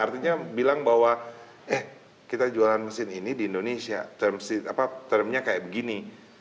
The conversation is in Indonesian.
artinya bilang bahwa eh kita jualan mesin ini di indonesia termnya kayak begini